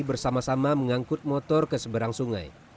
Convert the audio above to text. bersama sama mengangkut motor keseberang sungai